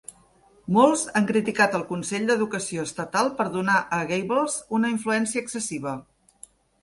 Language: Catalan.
Molts han criticat el Consell d'Educació Estatal per donar a Gablers una influència excessiva.